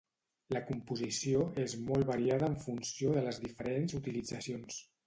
La composició és molt variada en funció de les diferents utilitzacions.